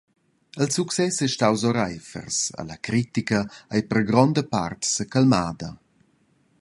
Il success ei staus oreifers e la critica ei per la gronda part secalmada.